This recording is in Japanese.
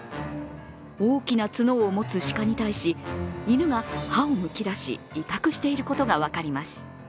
大きな角を持つ鹿に対し犬が歯をむき出し威嚇していることが分かります。